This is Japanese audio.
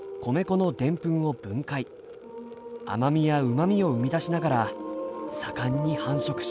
甘みやうまみを生み出しながら盛んに繁殖します。